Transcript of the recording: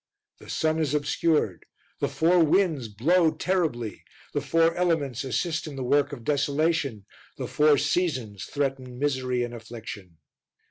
The Sun is obscured, the Four Winds blow terribly, the Four Elements assist in the work of desolation, the Four Seasons threaten misery and affliction.